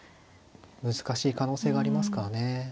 難しい可能性がありますからね。